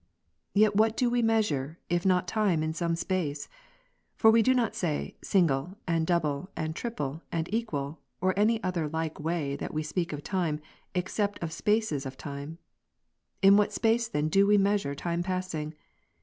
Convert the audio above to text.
Yet what do we measure, if not time in some space ? For we do not say, single, and double, and triple, and equal, or any other like way that we speak of time, except of spaces of times. In what space then do we measure time passing